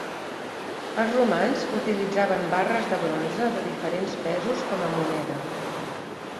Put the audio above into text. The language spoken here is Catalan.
Els romans utilitzaven barres de bronze de diferents pesos com a moneda.